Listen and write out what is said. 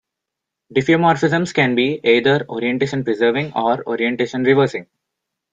Diffeomorphisms can be either orientation preserving or orientation reversing.